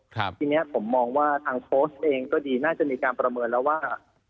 ทีนี้ผมมองว่าทางโพสต์เองก็ดีน่าจะมีการประเมินแล้วว่า